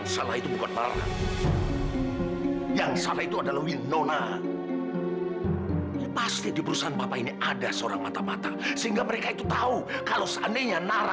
sampai jumpa di video selanjutnya